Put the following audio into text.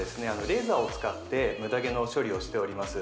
レーザーを使ってムダ毛の処理をしております